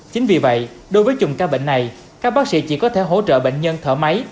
chính vì vậy đối với chùm ca bệnh này các bác sĩ chỉ có thể hỗ trợ bệnh nhân thở máy